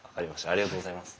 ありがとうございます。